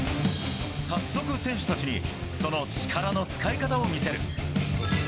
早速、選手たちにその力の使い方を見せる。